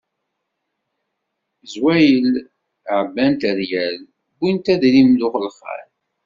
Zwayel ɛebbant rryal, wwint adrim d uxelxal.